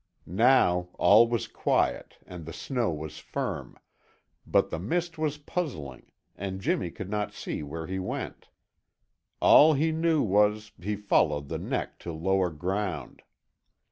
Now all was quiet and the snow was firm, but the mist was puzzling and Jimmy could not see where he went. All he knew was, he followed the neck to lower ground.